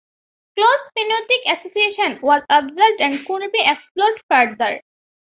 Close phenotypic association was observed and could be explored further.